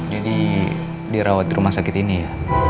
jadi dirawat di rumah sakit ini ya